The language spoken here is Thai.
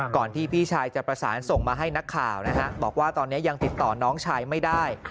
ที่พี่ชายจะประสานส่งมาให้นักข่าวนะฮะบอกว่าตอนนี้ยังติดต่อน้องชายไม่ได้